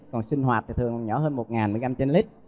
còn sinh hoạt thì thường nhỏ hơn một nghìn mg trên lít